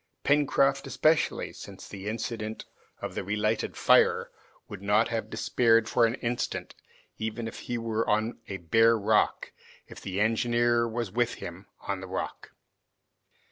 Pencroft especially, since the incident of the relighted fire, would not have despaired for an instant, even if he was on a bare rock, if the engineer was with him on the rock.